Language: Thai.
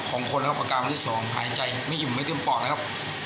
ของคนนะครับประการวันที่สองหายใจไม่อิ่มไม่เต็มปอดนะครับ